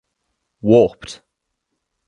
Warped!